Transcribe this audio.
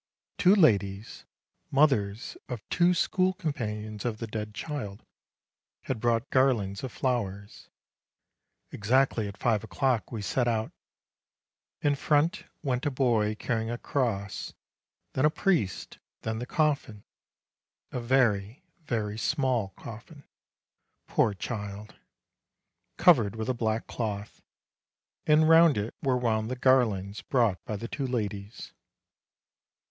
Two ladies, mothers of two school companions of the dead child, had brought garlands of flowers. Exactly at five o'clock we set out. In front went a boy carrying a cross, then a priest, then the coffin, a very, very small coffin, poor child! covered with a black cloth, and round it were wound the garlands brought by the two ladies.